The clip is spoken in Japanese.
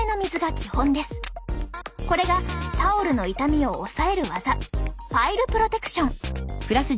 これがタオルの傷みを抑える技パイルプロテクション。